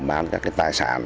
bán các tài sản